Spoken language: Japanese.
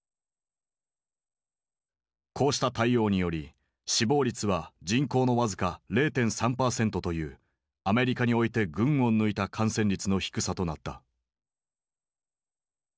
こうした対応により死亡率は人口の僅か０．３％というアメリカにおいて群を抜いた感染率の低さとなった。